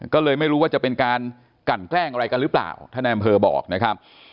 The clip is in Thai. ก็เลยไม่รู้ว่าจะเป็นการกลั่นแกล้งอะไรกันหรือเปล่าท่านนายอำเภอบอกนะครับ